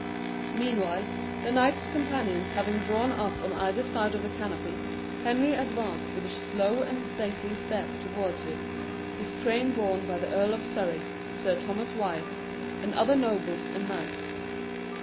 Meanwhile, the knights companions having drawn up on either side of the canopy, Henry advanced with a slow and stately step towards it, his train borne by the Earl of Surrey, Sir Thomas Wyat, and other nobles and knights.